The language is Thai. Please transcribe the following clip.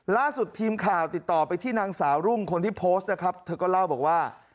ล่าสุดทีมข่าวติดต่อไปที่นางสาวรุ่งคนที่โพสต์นะครับเธอก็เล่าบอกว่า